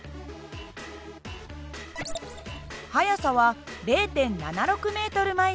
速さは０．７６ｍ／ｓ。